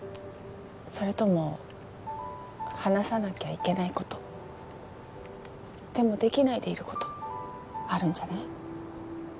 それとも話さなきゃいけないことでもできないでいることあるんじゃない？